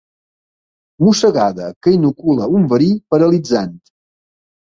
Mossegada que inocula un verí paralitzant.